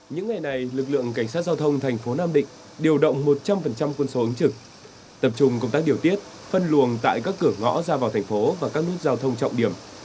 những ngày này lực lượng cảnh sát giao thông thành phố nam định điều động một trăm linh quân số ứng trực tập trung công tác điều tiết phân luồng tại các cửa ngõ ra vào thành phố và các nút giao thông trọng điểm